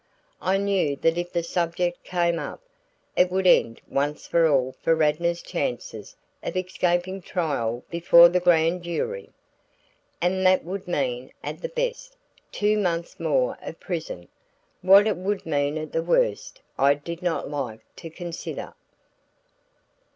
I knew that if the subject came up, it would end once for all Radnor's chances of escaping trial before the grand jury. And that would mean, at the best, two months more of prison. What it would mean at the worst I did not like to consider.